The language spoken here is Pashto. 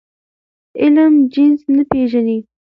علم جنس نه پېژني.